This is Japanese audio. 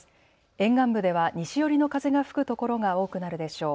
沿岸部では西寄りの風が吹く所が多くなるでしょう。